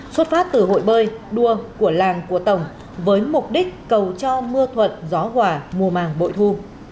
xuất phát từ hội bơi đua của làng của tổng với mục đích cầu cho mưa thuận gió hòa mùa màng bội thu